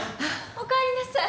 おかえりなさい。